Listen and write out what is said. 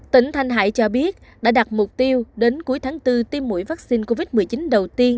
tỉnh thanh hải cho biết đã đặt mục tiêu đến cuối tháng bốn tiêm mũi vaccine covid một mươi chín đầu tiên